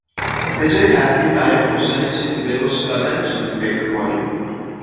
به جای تصمیم برای کشتن چیزی به رشد دادن چیزی فکر کنیم